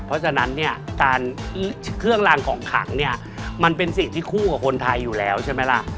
เพราะฉะนั้นเนี่ยการเครื่องรางของขังเนี่ยมันเป็นสิ่งที่คู่กับคนไทยอยู่แล้วใช่ไหมล่ะ